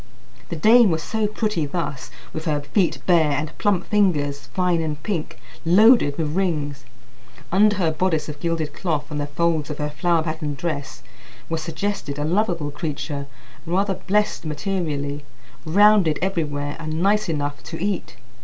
The dame was so pretty thus, with her feet bare, and plump fingers, fine and pink, loaded with rings. Under her bodice of gilded cloth and the folds of her flower patterned dress was suggested a lovable creature, rather blessed materially, rounded everywhere, and nice enough to eat.